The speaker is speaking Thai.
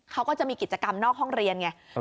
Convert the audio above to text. เขาก็จะมีกิจกรรมนอกห้องเรียนไง